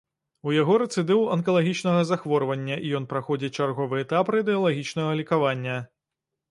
У яго рэцыдыў анкалагічнага захворвання і ён праходзіць чарговы этап радыелагічнага лекавання.